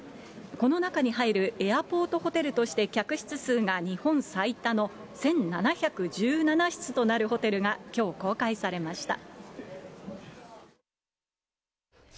この中に入るエアポートホテルとして客室数が日本最多の１７１７室となるホテルが、きょう、公開されました。